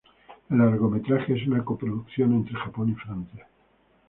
El largometraje es una coproducción entre Japón y Francia.